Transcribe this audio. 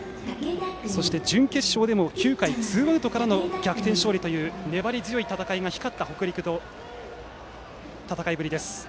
そして準決勝でも９回ツーアウトからの逆転勝利という粘り強い戦いが光った北陸の戦いぶりです。